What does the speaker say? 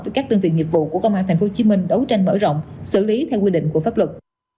với các đơn vị nghiệp vụ của công an tp hcm đấu tranh mở rộng xử lý theo quy định của pháp luật